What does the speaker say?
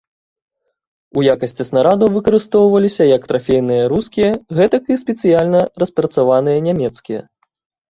У якасці снарадаў выкарыстоўваліся як трафейныя рускія, гэтак і спецыяльна распрацаваныя нямецкія.